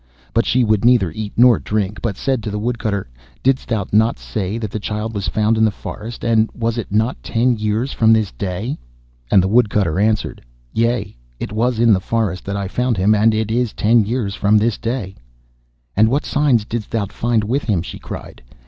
But she would neither eat nor drink, but said to the Woodcutter, 'Didst thou not say that the child was found in the forest? And was it not ten years from this day?' And the Woodcutter answered, 'Yea, it was in the forest that I found him, and it is ten years from this day.' 'And what signs didst thou find with him?' she cried.